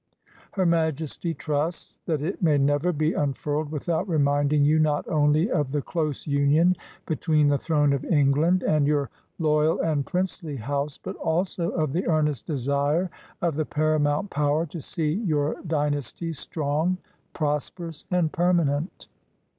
Her Majesty trusts that it may never be unfurled without reminding you not only of the close union between the throne of England and your loyal and princely house, but also of the earnest desire of the paramount power to see your dynasty strong, prosper ous, and permanent."